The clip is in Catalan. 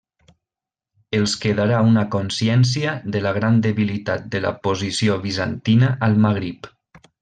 Els quedarà una consciència de la gran debilitat de la posició bizantina al Magrib.